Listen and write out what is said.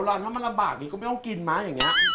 หนูมาแล้วค่ะคุณแม่ค่ะสวัสดีค่ะ